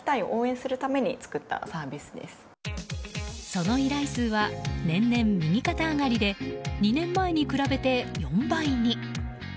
その依頼数は年々右肩上がりで２年前に比べて４倍に。